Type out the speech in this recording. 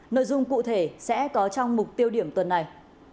nội dung cụ thể sẽ có trong mục tiêu điểm tuần này